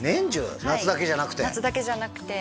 夏だけじゃなくて？